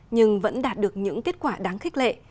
nhưng vẫn đạt được những kết quả đáng khích lệ